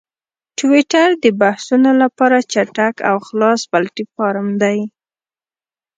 ټویټر د بحثونو لپاره چټک او خلاص پلیټفارم دی.